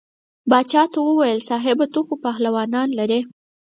باچا ته وویل صاحبه ته خو پهلوانان لرې.